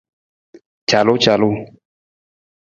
Calucalu.